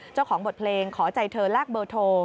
เจ้าของบทเพลงขอใจเธอแลกเบอร์โทร